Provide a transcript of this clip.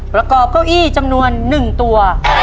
ประกอบเก้าอี้จำนวน๑ตัว